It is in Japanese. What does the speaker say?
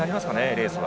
レースは。